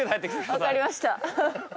分かりました